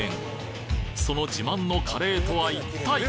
その自慢のカレーとは一体！？